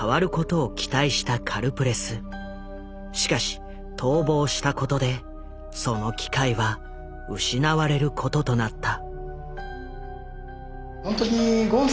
しかし逃亡したことでその機会は失われることとなった。